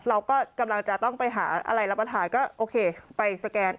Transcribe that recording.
เราก็กำลังจะต้องไปหาอะไรรับประทานก็โอเคไปสแกน